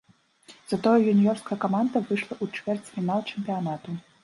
Затое юніёрская каманда выйшла ў чвэрцьфінал чэмпіянату.